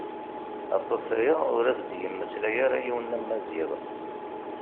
Aṭas aya ur as-d-yemmeslay yiwen am Maziɣ.